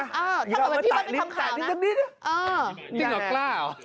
ถ้าเกิดพี่บ้านไม่ทำข่าวนะถ้าเกิดพี่บ้านไม่ทำข่าวนะอย่ามาแต่ลิ้งแต่ลิ้งสักนิดนึง